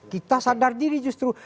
kita sadar diri justru